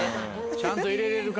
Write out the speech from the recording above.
ちゃんと入れれるか？